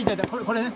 これね。